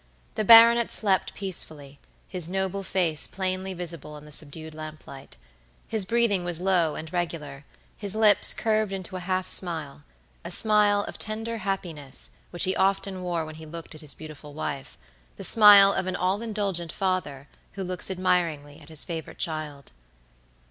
The baronet slept peacefully, his noble face plainly visible in the subdued lamplight. His breathing was low and regular, his lips curved into a half smilea smile of tender happiness which he often wore when he looked at his beautiful wife, the smile of an all indulgent father, who looks admiringly at his favorite child.